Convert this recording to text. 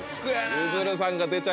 ゆずるさん